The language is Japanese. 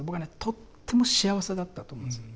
とっても幸せだったと思うんです。